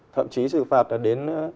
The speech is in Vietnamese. thậm chí xử phạt đã đến